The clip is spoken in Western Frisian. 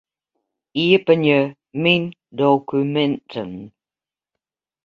Iepenje Myn dokuminten.